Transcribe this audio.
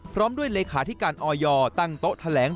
พร้อมด้วยเลขาธิการออยตั้งโต๊ะแถลง